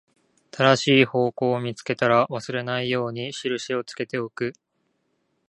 正しい方向を見つけたら、忘れないように印をつけておく